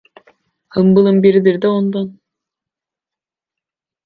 Hımbılın biridir de ondan.